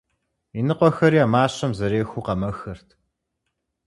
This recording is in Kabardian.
Иныкъуэхэри а мащэм зэрехыу къэмэхырт.